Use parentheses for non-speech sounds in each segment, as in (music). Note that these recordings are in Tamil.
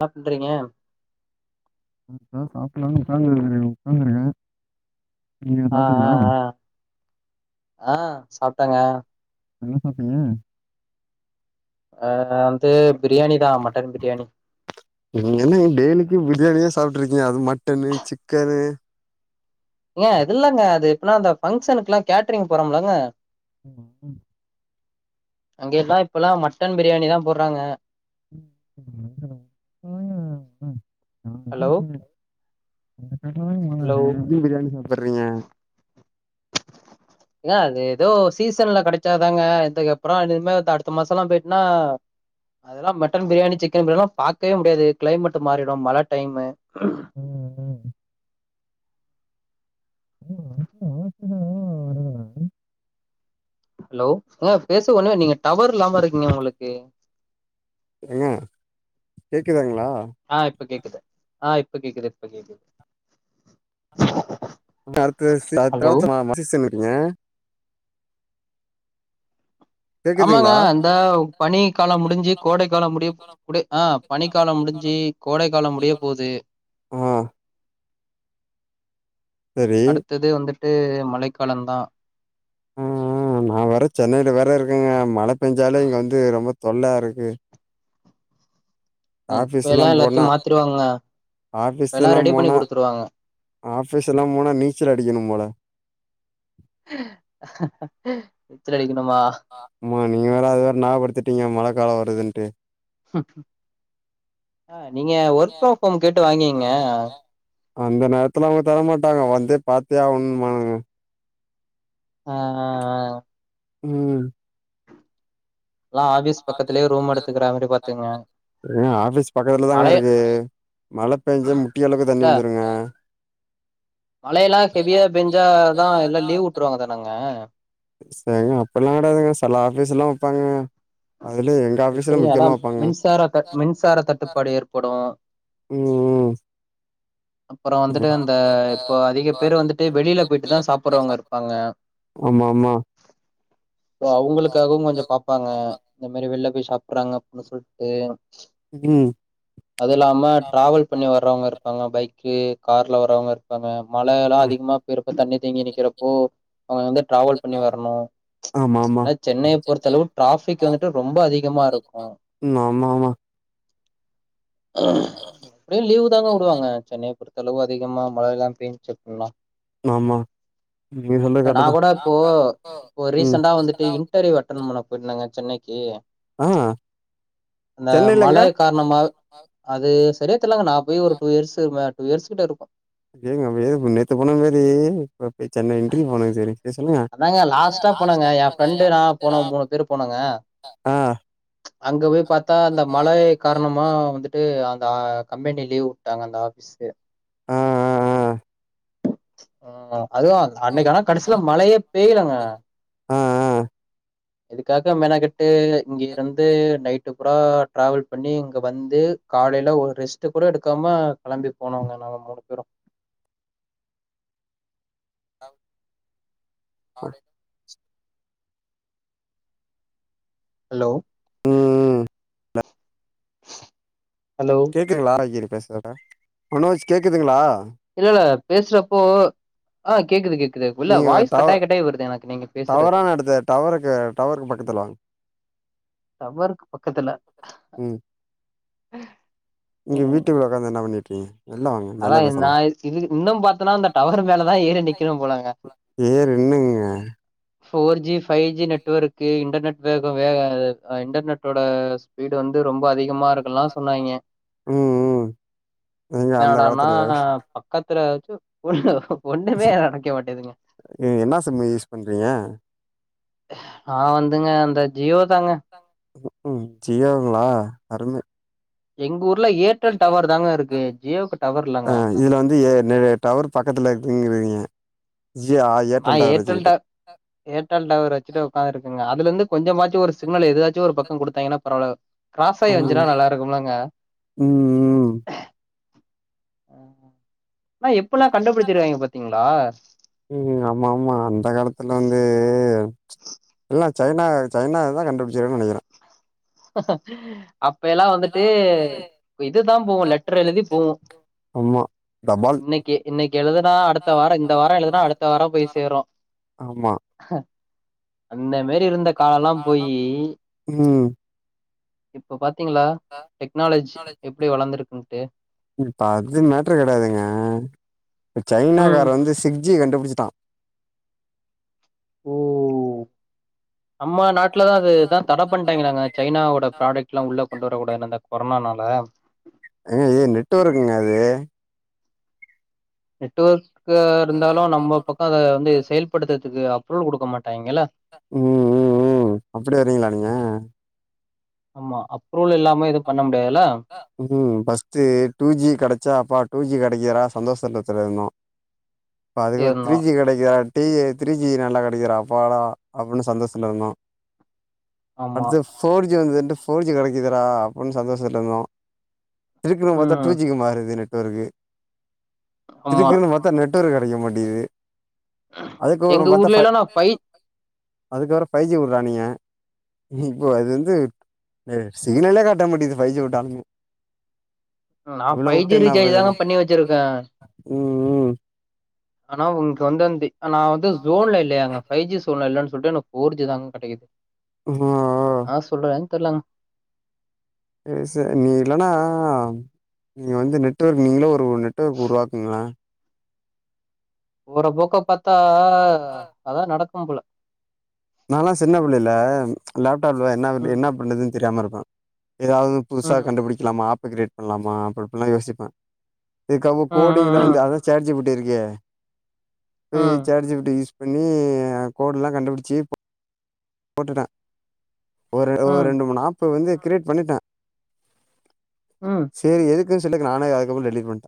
என்ன பண்றீங்க இப்ப தா சாப்லான்னு ஒக்காந்துனுருக்கங்க ஒக்காந்துனுருக்கன் ஆ ஆ ஆ ஆ சாப்டங்க என்ன சாப்டிங்க ஆ வந்து பிரியாணி தா மட்டன் பிரியாணி நீங்க என்னங்க டெய்லிக்கிம் பிரியாணியே சாப்ட்டு இருக்கீங்க அதும் மட்டனு சிக்கனு ஏங்க அது இல்லங்க அது எப்பனா அந்த பங்க்ஷனுக்குலா கேட்ரிங் போறம் இல்லங்க ம் அங்கே தா இப்பல்லா மட்டன் பிரியாணி தா போடறாங்க (inaudible) ஜாலியா ஹலோ இருக்கிங்க உங்க காட்ல தாங்க மழ ஹலோ டெய்லிக்கும் பிரியாணி சாப்பறீங்க ஏங்க அது எதோ ஒரு சீசன்ல கெடைச்சாதாங்க இதுக்கு அப்றோம் இனிமே அடுத்த மாசலாம் போயிட்டுனா அதெல்லா மட்டன் பிரியாணி சிக்கன் பிரியாணில்லாம் பாக்கவே முடியாது கிளைமேட்டு மாறிடும் மழ டைமு ம் ம் ம் (inaudible) ஹலோ ஏங்க பேச ஒன்னுமே நீங்க டவர் இல்லாம இருக்கிங்க உங்களுக்கு ஏங்க கேக்குதுங்களா ஆ இப்ப கேக்குது ஆ இப்ப கேக்குது இப்ப கேக்குது இனிமே அடுத்து ஹலோ (unintelligible) சீசனு இருக்குங்க ஆமாங்க கேக்குதுங்களா இந்த பனி காலம் முடிஞ்சி கோடை காலம் முடிய போ குடே ஆ பனிக்காலம் முடிஞ்சி கோடை காலம் முடிய போவுது ஆ சரி த்தது வந்துட்டு மழைக்காலந்தா ம் ம் நா வேற சென்னையில வேற இருக்கங்க மழ பெஞ்சாலே இங்க வந்து ரொம்ப தொல்லா இருக்கு ம் ஆபீஸ்லா இப்பலாம் போனா எல்லாத்தையும் மாத்திருவாங்கங்க. இப்பலாம் ஆபீஸ்லலா ரெடி பண்ணி போனா குடுத்துருவாங்க. ஆபீஸ்லாம் போனா நீச்சல் அடிக்கணும் போல நீச்சல் அடிக்கணுமா மா நீங்க வேற அது வேற ஞாபடுத்திட்டீங்க மழ காலோ வருதுன்ட்டு ஆ நீங்க ஒர்க் ஃப்ரம் ஹோம் கேட்டு வாங்கீங்க அந்த நேரத்துல அவுங்க தரமாட்டாங்க வந்தே பாத்தே ஆவணும்பானுங்க ஆ ஆ ம் பிஸ் பக்கத்துலே ரூம் எடுத்துக்கிற மாரி பாத்துக்கங்க. ஏங்க ஆபீஸ் பக்கத்துலதாங்க மழை இருக்கு மழ பேஞ்சா முட்டி அளவு தண்ணி வந்துருங்க மழயெல்லாம் ஹெவியா பேஞ்சாதா எல்லா லீவ் உட்டுருவாங்க தானங்க செரிங்க அப்பலாம் கெடையாதுங்க செல ஆஃபீஸ்ல்லாம் வைப்பாங்கங்க அதுல எங் க ஆபீஸ்லா எப்படியும் முக்கியமா அதான் வப்பாங்க மின்சார தட் மின்சார தட்டுப்பாடு ஏற்படும். ம் அப்றோ வந்துட்டு ம் அந்த இப்போ அதிகப் பேரு வந்துட்டு வெளிலப் போயிட்டுதா சாப்புறவுங்க இருப்பாங்க ஆமா ஆமா சோ அவுங்குளுக்காகவு கொஞ்சோ பாப்பாங்க இந்த மேரி வெள்லப் போய் சாப்ட்றாங்க அப்புன்னு சொல்ட்டு ம் அது இல்லாம் டிராவெல் பண்ணி வர்றவுங்க இருப்பாங்க பைக் க்கு கார்ல வரவுங்க இருப்பாங்க மழலா ம் அதிகமா போயிருக்கு தண்ணி தேங்கி நிக்கிறப்போ அவுங்க வந்து டிராவல் பண்ணி வரணு ஆமா ஆமா நா சென்னையப் பொறுத்தளவு ட்ராஃப் பிக் வந்துட்டு ரொம்போ அதிகமா இருக்கு ம் ஆமா ஆமா எப்டியு லீவுதாங்க வுடுவாங்க சென்னையப் பொறுத்தளவு அதிகமா மழைலாம் பேஞ்ச்சு அப்புன்னா ஆமா நீங்க சொல்றது நா கரெக்ட்டு தா கூட இப்போ இப்போ ம் ரீசன்டா வந்துட்டு இன்டர்வியூ அட் அட்டன் பண்ண போயிருந்தங்க சென்னைக்கி ஆ அந்த சென்னைல எங்க மழை காரணமால் அது சரியாத் தெர்லங்க நா போய் ஒரு டூ இயர்ஸ் மே டூ இயர்ஸ்கிட்ட இருக்கு (unintelligible) நேத்து போனமேரி வப் போய் சென்னை இன்ட்ரியூ போனங்க செரி அதாங்க லாஸ்ட்டா போனாங்க எ ஃப்ரெண்டு நா போனோ மூனுப் பேரு போனோங்க ஆ அங்க போய் பாத்தா இந்த மழை காரணமா வந்துட் ட்டு அந்த ஆ கம்பெனி லீவு வுட்டாங்க அந்த ஆபிஸூ ஆ அ அதுதா அன்னைக்கு ஆனா கடைசில மழையேப் பேயிலங்க ஆ ஆ ஆ இதுக்காக மெனகெட்டு இங்கியிருந்து நைட் ட்டுபுரா டிராவெல் பண்ணி இங்க வந்து காலைல ஒரு ரெஸ்ட்டு கூட எடுக்காம கெளம்பி போனோங்க நாங்க மூனு பேரு ஆவ்டி ஹலோ ம் ஹலோ கேக்துங்ளா (unintelligible) மனோஜ் கேக்துங்ளா இல்லல்ல பேசறப்போ ஆ கேக்குது கேக் நீங்க ஒர் டவ பேசுறது டவரான எடுத்த டவருக்கு டவருக்கு பக்கத்துல வாங் டவருக்கு பக்கத்துல ம் இங்க வீட்டுகுள்ள ஒக்காந்து என்ன பண்ணிட்றிங்க வெள்ல வாங்க வெள்ல அதாயின் நா பேசலா இது இதுகு இன்னம் பாத்தனா அந்த டவரு மேலதா ஏறி நிக்கிணும் போலங்க ஏறி இன்னுங்க four G five G network internet வேகோ வேக அது அ இன்டர்நெட்டோட ஸ்பீடு வந்து ரொம்ப அதிகமாருக் ம் ம் எங்க அந்த என்னடானா காலத்துலியா பக்கத்துல எதாச்சு ஒன்னு ஒன்னுமே நடக்வேமாட்டேதுங்க என்ன சிம்மு யூஸ் பண்றீங்க ஆ வந்துங்க அந்த ஜியோ தாங்க ம் ம் ஜியோங்ளா அருமே எங்கூர்ல ஏர்டெல் டவருதாங்க இருக்கு ஜியோக்கு டவர் ஆ இல்லங்க இதுல வந்து ஏ நெறை டவரு பக்கத்துல இருக்குங்றிங்க ஜியாய் ஆமா ஏர்டெல் ட ஏர்டெல் டவர் வெச்சுட்டு ஒக்காந்துருக்கங்க அதுலந்து கொஞ்சமாச்சு ஒரு சிக்னல் எதுலாச் சு ஒரு பக்கோங் குடுத்தாய்ங்கனாப் பரவாலே க்ராசாய் ம் வஞ்சுனா நல்லாருக்கும்லங்க ம் ம் ஆனா எப்புல்லா கண்டுபுடிச்சிருகாய்ங்க பாத்திங்ளா ம் ஆமா ஆமா அந்த காலத்துல வந்து எல்லா சைனா சைனா தா கண்டுபுச்சிருக்குன் நெனக்கிறே அப்ப எல்லா வந்துட்டு இதுதா போவு லட்ர்ரு எழுதி போவு அம்மா இன்னைக்கி இன்னைக் எழுதுனா அடுத்த வார இந்த வார எழுதுனா அடுத்த வாரோ போய் சேரும் ஆமா அந்த மேரிருந்த காலல்லா போயி ம் இப்ப பாத்திங்ளா டெக்னாலஜ்ஜி எப்டி வளந்துருக்குன்ட்டு இப்ப அது மேட்ரு கெடயாதுங்க இப்ப சைனா ம் கார வந்து சிக்ஸ் ஜி கண்டுபுடிச்சிட்டான் ஓ நம்ம நாட்ல தா அது தா தட பண்ட்டாய்ங்களாங்க சைனாவோட ப்ராடெக்ட் லா உள்ள கொண்டு வரக்கூடாது அந்த கொரோனா னால ஏங்க ஏ நெட்ஒர்க்குங்க அது நெட்ஒர்க்க இருந்தாலு நம்ம பக்க அத வந்து செயல்படுத்தர்துக்கு அப்ரூவல் குடுக்க மாட்டாய்ங்கள ம் ம் ம் அப்டி வரிங்ளா நீங்க ஆமா அப்ரூவல் இல்லாம எது பண்ண முடியாதுல ஃபஸ்ட் டூ ஜி கெடச்சா அப்பா டூ ஜி கெடைக்கர்றா சந்தோஷ்த்ல இருந்தோ இப்ப அதுக்கப் த்ரீ இருந்தோ ஜி கடைக்காத் டீயே த்ரீ ஜி நல்லா கெடைக்குர்றா அப்பாடா அப்டின்னு சந்தோஷ்ஷத்ல இருந்தோ ஆமா அட்த்து ஃப் ஃபோர் ஜி வந்துட்டு ஃபோர் ஜி கெடைக்குதுடா அப்புன் சந்தோஷத்ல இருந்தோ திருப்யு பாத்தா டூ ம் ஜி மாறுது நெட்ஒர்க்கு ஆமா திருப்பியு மத் தா நெட்ஒர்க் கெடைக்க மாட்டிகுது அதுக்கப்றோ எங்க பாத்தா ஃபை ஊர்லல்லா நா அதுக்கப்றோ ஃபைவ் ஜி உட்றானிங்க இப்போ அது வந்து சிக்னலே காட்ட மாட்டிகுது ஃபை ஜி உட்டால்மு நா ஃபை ஜி ரீசார்ஜ் தான பண்ணி வச்சிருக்கே ம் ம் ஆனா உன்க்கு வந்து அந்தி நா வந்து ஜோன்ல இல்லயாங்க ஃபைவ் ஜி சோன்ல இல்லன் சொல்ட்டு எனக்கு ஃபோர் ஜி தாங்க கெடைக்குது ம் ஆ ஆ நா சொல்றதுன் தெர்லங்க சேர் சேர் நீ இல்லன்னா நீ வந்து நெட் நெட்ஒர்க் நீங்ளே ஒரு நெட்ஒர்க் உருவாக்குங்ளா போற போக்க பாத்தா அதா நடக்கும் போல நாலா சின்ன புள்ளைல லேப்டாப்ல என்ன ம் என்னா பண்ணுதுன் தெரியாம இருப்பே எதாவ்து புதுசா ம் கண்டுபுடிக்கலாம ஆப்பு க்ரியேட் பண்லாமா அப்பு இப்டில்லா யோசிப்பே எனக் அப்ப ம் கோடிங்ல வந்து ம் அத சாட் ஜீ பிட்டி இருக்கே ம் (unintelligible) ம் சாட் ஜீ பிட்டி யூஸ் பண்ணி கோடுல்லா கண்டுபுடிச்சி போட்டுட்ட ஒரு ஒரு ம் ரெண்டு மூணு ஆப்பு வந்து க்ரியேட் பண்ணிட்ட ம் சேரி எதுகுன் சொல்லிட்டு நானே அதுக்கப்றோ டெலிட் பண்ட்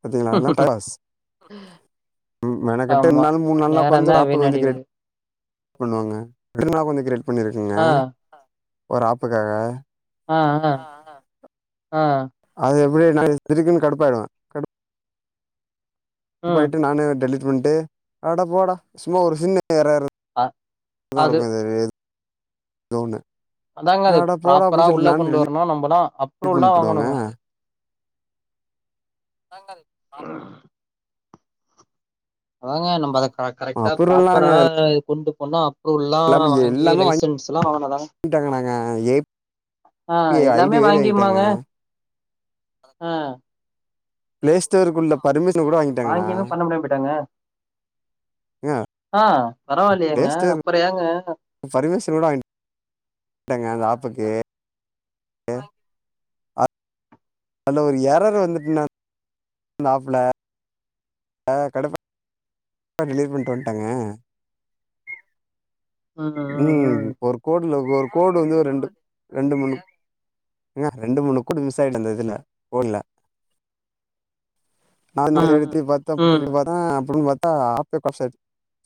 பாத்திங்களா அதலா டைம் பாஸ் ம் மெணக்கெட்டு ரெண்ட் ஆமா நாள் மூண் நாள் நா உக்காஞ்சு நேரந்தா ஆப்பு வந்து க்ரேட் வீணடியுது பண்வாங்க (unintelligible) கொஞ்சோ க்ரியேட் பண்ணிருக்குங்க ஆ ஒரு ஆப்புக்காக ஆ ஆ ஆ அது எப்டி நா இருக்குன்னு கடுப்பாயிடுவ ம். போட்டு நானு டெலீட் பண்ணிட்டு ஆட போட சும்மா ஒரு சின்ன ஏறர் அ அது (unintelligible) தோனு அதாங்க அது ஆடா போடா ப்ராப்பரா அப்டின்னு சொல்லிட்டு உள்ள கொண்டு நா வரணும். நம்பலாம் (inaudible) பண்ணி அப்ரூவ்லாம் பேடுவாங்க வாங்கணுங்க. அங்கல் ஆஹ் அதாங்க நம்ம அத கரெக்டா அப்புறம்லாம் ப்ராப்பரா நாங்கள் கொண்டு போனோ புல்லா எல்லாமே வாங்கி எல்லாமே லைசன்ஸ் எல்லா வாங்னாதாங்க வாங்கிட்டாங்க நாங்கள் ஆ ஏபிஐ ஐடி எல்லாமே வேறு வாங்கிட்டாங்க வாங்கிமாங்க ஆ பிளேஸ்டோருக்குள்ள பர்மிஷன் கூட வாங்கிட்டாங்கனா வாங்கியுமே பண்ண முடியாம போயிட்டாங்க. ஆ ப்ளே பரவாயில்லயாங்க ஸ்டோர் அப்ர ஏங்க பர்மிஷன் கூட வாங்கிட்டேங்க அந்த ஆப்புக்கு அ அதுல ஒரு எரரு வந்துட்டுனா ஆப்ல கடைப்ப டெலிவரி பண்ணிட்டு வந்துட்டாங்க ம் ஒரு கோடுல ஒரு கோடு வந்து ரெண்டு ரெண்டு மேனு ன்ன ரெண்டு மூணு கூட மிஸ் ஆயிடுந்தில்ல போடுல நா ம், ம், எடுத்து பாத்தாப் ம், புட்டுக்கு பாத்தாப் ம் பாத்தா ஆப்பேபர்சாட்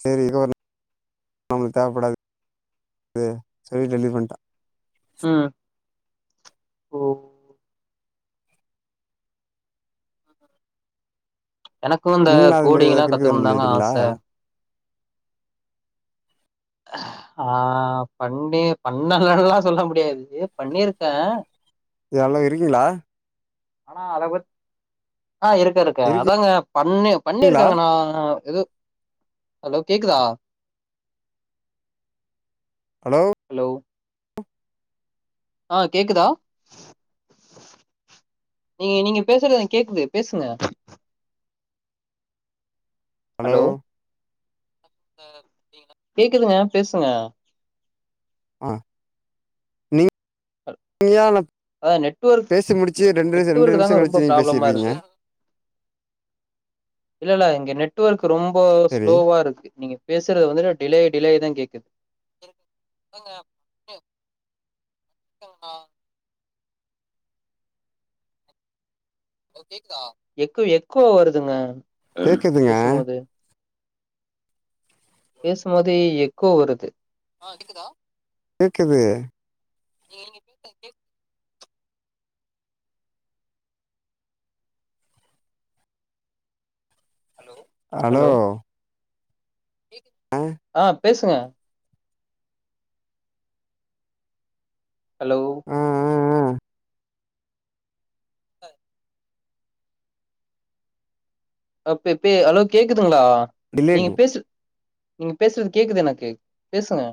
செரி இகோன்னு நமக்கு தேவைப்படாது இது சரி டெலி பண்டா அ எனக்கு இந்த நீங்களும் அது மாதிரி கோடிங் ஏதாவது எல்லா கிறுக்கு தானே கத்துக்குணு தாங்க பண்ணிடுறீங்களா ஆச ஆ பண்ணி பண்ணலல்லா சொல்ல முடியாது பண்ணிருக்க இத எல்லா இருக்கீங்ளா ஆனா அத பத் ஆ இருக்கு இருக்கு அதாங்க பண்ணி இருக்கீங்களா பண்ணிருக்கேங்க நா எது ஹலோ கேக்குதா ஹலோ ஹலோ ஆ கேக்குதா நீ நீங்க பேசுறது எனக்கு கேக்குது பேசுங்க ஹலோ கேக்குதுங்க பேசுங்க ஆ நீங் நீயானப் அதா நெட்வொர்க் பேசி முடிச்சி ரெண்டு நிமிஷ ரெண்டு நிமிஷோ கழிச்சி நீங்க பேசிறீங்க இல்லல்ல இங்க நெட்வொர்க் ரொம்ப சரி ஸ்லோவா இருக்கு நீங்க பேசுற வந்து டிலேயி டிலே தா கேக்குது எங்க தங்கா ஹலோ கேக்குதா எக்கு எக்கோ வருதுங்க கேட்குதுங்க பேசும்போது பேசும் போதே எக்கோ வருது ஆ கேக்குதா நீங்க ஹலோ ஆ ஆ பேசுங்க ஹலோ ஆ அப்பப்பே ஹலோ கேக்குதுங்ளா நீங்க டிலேட் பேசுறது நீங்க பேசுறது கேக்குது எனக்கு பேசுங்க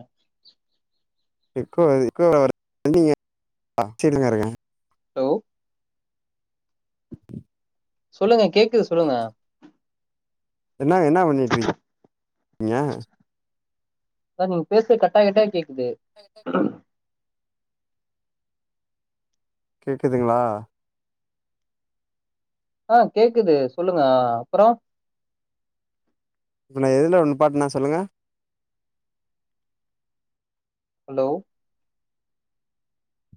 எக்கோ எக்கோ (inaudible) வந்து இங்கெ (inaudible) ஆச்சரியமாருக்கே ஹலோ சொல்லுங்க கேக்குது சொல்லுங்க என்னா என்னா பண்ணிட்ருக்கீங்க சார் நீங்க பேசுறது கட்டாயி கட்டாயி கேக்குது கேக்குதுங்ளா ஆ கேக்குது சொல்லுங்க ஆ அப்றோ இப்ப நா எதுல நிப்பாட்னே சொல்லுங்க ஹலோ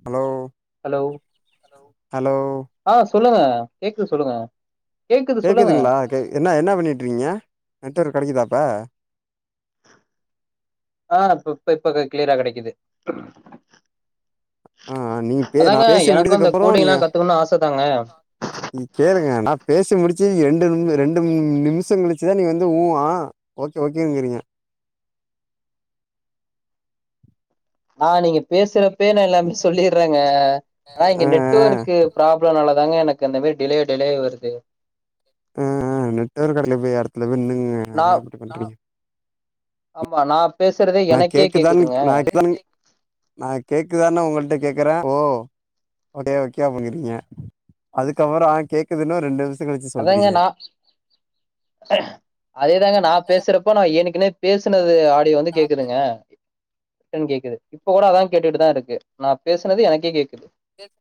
ஹலோ ஹலோ ஹலோ ஆ சொல்லுங்க கேக்குது சொல்லுங்க கேக்குது சொல்லுங்க கேக்குதுங்ளா கே என்னா என்னா பண்ணிட்ருக்கீங்க நெட்வொர்க் கெடைக்குதா இப்ப ஆ இப்பப்ப இப்ப கிளியரா கெடைக்குது ஆ ஆ நீங்க பே நா அதாங்க பேசி எனக்கு அந்த முடிதுக்கப்புறோ நீங்க கோடிங்லா கத்துக்கணுனு ஆச தாங்க நீ கேளுங்க நா பேசி முடிச்சு ரெண்டு நிம் ரெண்டு மூணு நிமிஷங் கழிச்சுதா நீங்க வந்து ஊ ஆ ஓகே ஓகேங்கிறீங்க நா நீங்க பேசுறப்பயே நா எல்லாமே சொல்லிர்றங்க ஆனா இங்க ஆ நெட் ஆ டுவொர்க்கு ப்ராப்ளனால தாங்க எனக்கு அந்த மாரி டிலே டிலே வருது ஆ ஆ நெட்வொர்க் இருக்கெடத்துல போய் எடத்துல போய் நின்னுங்க என்னங்க நான் இப்டி பண்றீங்க ஆமா நா பேசுறதே நா எனக்கே கேக்குதான் கேக்குதுங்க நா கேக்குதான் நா கேக்குதானு ஒங்கள்ட்ட கேக்குறே ஓ ஓகே ஓகே அப்டிங்கிறீங்க அதுக்கப்பற கேக்குதுன்னு ரெண்டு நிம்ஷ் அதாங்க நா அதேதாங்க நா பேசுறப்போ நா எனக்குனே பேசினது ஆடியோ வந்து கேக்குதுங்க ரிட்டன் கேக்குது இப்ப கூட அதா கேட்டுட்டுதா இருக்கு நா பேசுனது எனக்கே கேக்குது எது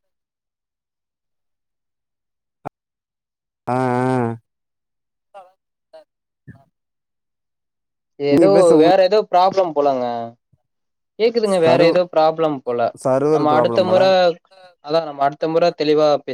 ஆ ஆ நீங்க எதோ பேச உங்க வேற எதோ ப்ராப்ளம் போலங்க கேக்குதுங்க வேற சர்வ் எதோ ப்ராப்ளம் போல சர்வர் நம்ம அடுத்த ப்ராப்ளம் போல முற அதா நம்ம அடுத்த முற தெளிவா பேச